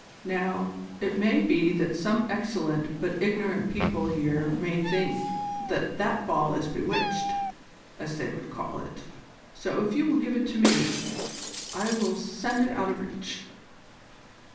Now, it may be that some excellent but ignorant people here may think that that ball is bewitched, as they would call it, so if you will give it to me, I will send it out of reach."